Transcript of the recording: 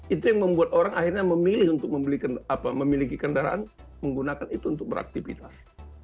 itu yang membuat orang akhirnya memilih untuk memiliki kendaraan menggunakan itu untuk beraktivitas